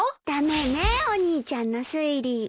駄目ねぇお兄ちゃんの推理。